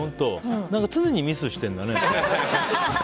何か常にミスしてるんだね。